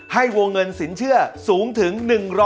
วงเงินสินเชื่อสูงถึง๑๐๐